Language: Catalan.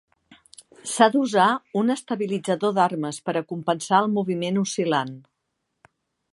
S'ha d'usar un estabilitzador d'armes per a compensar el moviment oscil·lant.